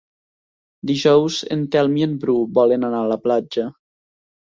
Dijous en Telm i en Bru volen anar a la platja.